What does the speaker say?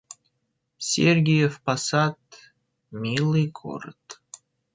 Сергиев Посад — милый город